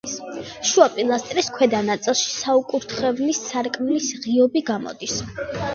შუა პილასტრის ქვედა ნაწილში საკურთხევლის სარკმლის ღიობი გამოდის.